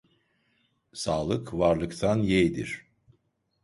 Sağlık varlıktan yeğdir.